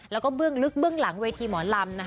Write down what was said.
แล้วก็เบื้องลึกเบื้องหลังเวทีหมอลำ